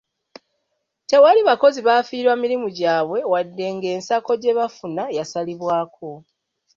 Tewali bakozi baafiirwa mirimu gyabwe wadde ng'ensako gye bafuna yasalikako.